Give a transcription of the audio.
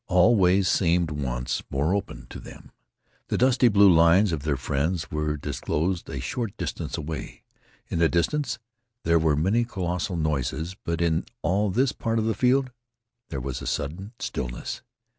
All ways seemed once more opened to them. The dusty blue lines of their friends were disclosed a short distance away. In the distance there were many colossal noises, but in all this part of the field there was a sudden stillness.